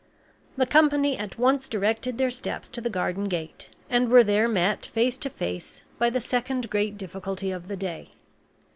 The company at once directed their steps to the garden gate, and were there met face to face by the second great difficulty of the day.